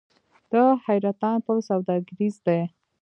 د حیرتان پل سوداګریز دی